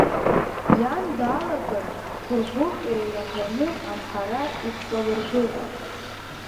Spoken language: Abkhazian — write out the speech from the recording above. Иан даалаган ҭәырӷәык еилаҳәаны амҳара икҿалыргылт.